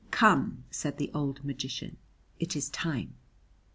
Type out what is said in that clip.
"Come," said the old magician, "it is time."